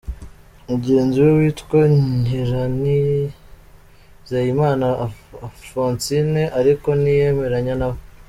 Mugenzi we witwa Nyiranizeyimana Alphonsine ariko ntiyemeranya nawe.